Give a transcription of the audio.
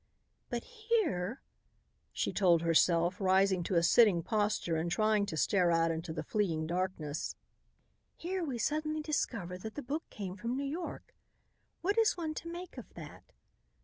"But here," she told herself, rising to a sitting posture and trying to stare out into the fleeing darkness, "here we suddenly discover that the book came from New York. What is one to make of that?